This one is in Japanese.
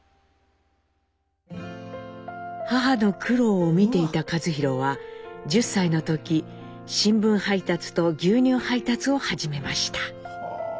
母の苦労を見ていた一寛は１０歳の時新聞配達と牛乳配達を始めました。